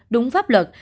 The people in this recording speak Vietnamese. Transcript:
đúng pháp luật